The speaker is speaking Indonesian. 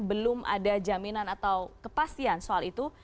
belum ada jaminan atau kepastian soal itu